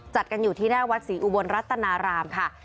กันอยู่ที่หน้าวัดศรีอุบลรัตนารามค่ะ